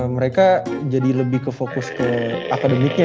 mereka jadi lebih ke fokus ke akademiknya